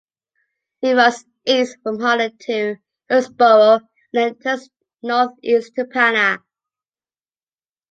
It runs east from Hardin to Hillsboro, and then turns northeast to Pana.